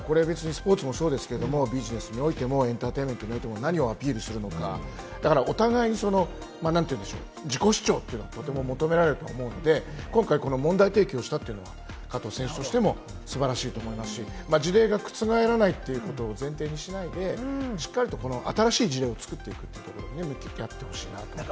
スポーツもそうですけれども、ビジネスにおいても、エンターテインメントにおいても何をアピールするか、お互いの自己主張というのがとても求められると思うので、今回、問題提起をしたというのは加藤選手にとっても素晴らしいと思いますし、事例が覆らないということを前提にしないで、新しい事例を作っていくというふうになってほしいなと思います。